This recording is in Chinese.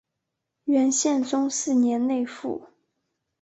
元宪宗四年内附。